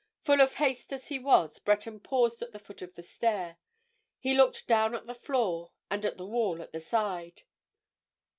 Full of haste as he was Breton paused at the foot of the stair. He looked down at the floor and at the wall at its side.